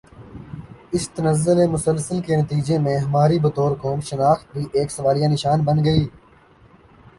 اس تنزل مسلسل کے نتیجے میں ہماری بطور قوم شناخت بھی ایک سوالیہ نشان بن گئی